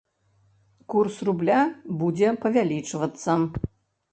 Курс рубля будзе павялічвацца.